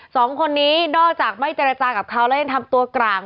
สองคนนี้นอกจากไม่เจรจากับเขาแล้วยังทำตัวกลาง